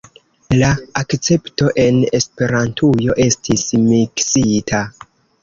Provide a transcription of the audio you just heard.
La akcepto en Esperantujo estis… miksita.